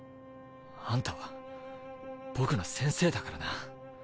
アンタは僕の先生だからな。